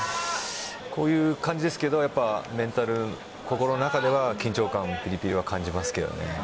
こういう感じですけどやっぱメンタル心の中では緊張感ぴりぴりの感じますけどね。